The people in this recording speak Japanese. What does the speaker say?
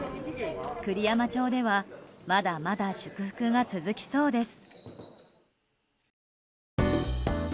栗山町ではまだまだ祝福が続きそうです。